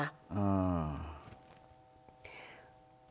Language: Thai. อ่า